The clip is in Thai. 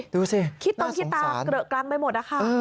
ดูสิคิดต้องกินตากระเกิดกลางไปหมด